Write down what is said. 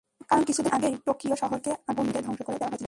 কারণ, কিছুদিন আগেই টোকিও শহরকে আগুনবোমা মেরে ধ্বংস করে দেওয়া হয়েছিল।